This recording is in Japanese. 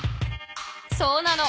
そうなの。